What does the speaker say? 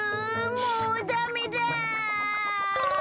もうダメだ！